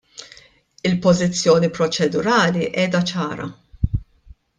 Il-pożizzjoni proċedurali qiegħda ċara.